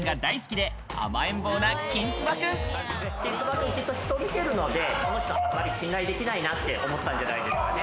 きんつば君、きっと人を見てるので、この人あまり信頼できないなって思ったんじゃないですかね。